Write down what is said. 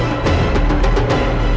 ampunilah ya allah